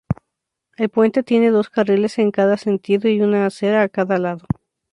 El puente tiene dos carriles en cada sentido y una acera a cada lado.